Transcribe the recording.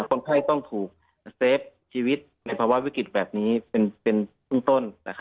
คนไข้ต้องถูกเซฟชีวิตในภาวะวิกฤตแบบนี้เป็นต้น